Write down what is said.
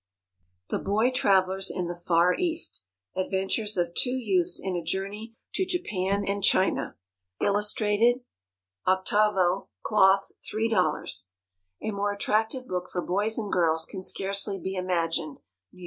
THE Boy Travellers in the Far East. ADVENTURES OF TWO YOUTHS IN A JOURNEY TO JAPAN AND CHINA. Illustrated, 8vo, Cloth, $3.00. A more attractive book for boys and girls can scarcely be imagined. _N. Y.